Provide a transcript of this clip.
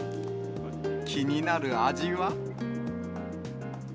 気になる味は。